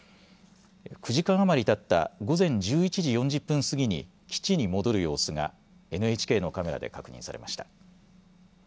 ９時間余りたった午前１１時４０分過ぎに基地に戻る様子がＮＨＫのカメラで確認されました。